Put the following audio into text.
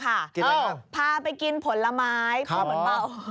กินอะไรกันครับพาไปกินผลไม้พอเหมือนเปล่า